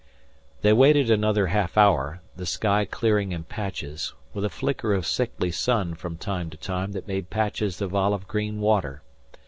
They waited yet another half hour, the sky clearing in patches, with a flicker of sickly sun from time to time that made patches of olive green water.